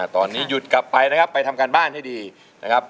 ตอนนี้หยุดกลับไปนะครับไปทำการบ้านให้ดีนะครับ